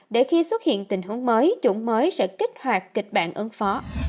để khi xuất hiện tình huống mới chủng mới sẽ kích hoạt kịch bản ứng phó